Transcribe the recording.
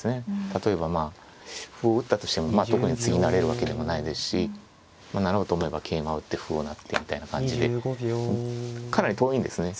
例えばまあ歩を打ったとしてもまあ特に次成れるわけでもないですし成ろうと思えば桂馬打って歩を成ってみたいな感じでかなり遠いんですね。